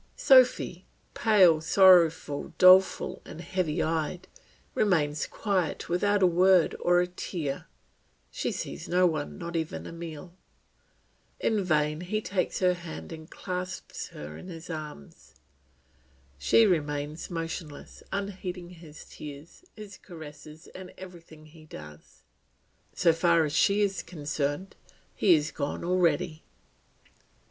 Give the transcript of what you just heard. Sophy, pale, sorrowful, doleful, and heavy eyed, remains quiet without a word or a tear, she sees no one, not even Emile. In vain he takes her hand, and clasps her in his arms; she remains motionless, unheeding his tears, his caresses, and everything he does; so far as she is concerned, he is gone already.